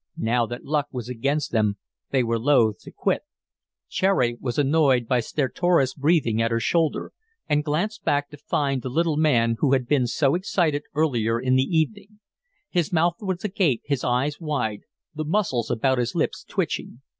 Now that luck was against them they were loath to quit. Cherry was annoyed by stertorous breathing at her shoulder, and glanced back to find the little man who had been so excited earlier in the evening. His mouth was agape, his eyes wide, the muscles about his lips twitching.